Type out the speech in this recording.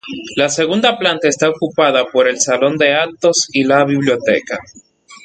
La segunda planta está ocupada por el salón de actos y la biblioteca.